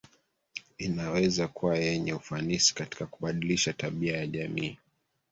inaweza kuwa yenye ufanisi katika kubadilisha tabia ya jamii